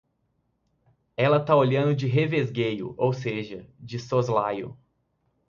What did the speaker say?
Ela tá olhando de revesgueio, ou seja, de soslaio